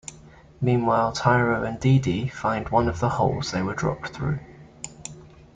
Meanwhile, Tyro and Didi find one of the holes that they were dropped through.